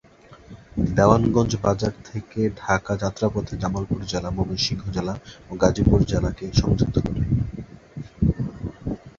দেওয়ানগঞ্জ বাজার থেকে ঢাকা যাত্রাপথে জামালপুর জেলা, ময়মনসিংহ জেলা ও গাজীপুর জেলাকে সংযুক্ত করে।